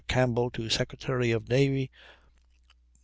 Campbell to Sec. of Navy, Mar.